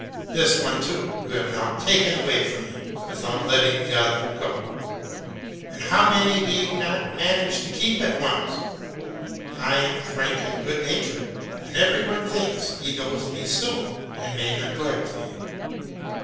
This one, too, you have now taken away from me, with out letting the other go; and how many do you not manage to keep at once? I am frank and good natured ; and every one thinks he knows me soon, and may neglect me.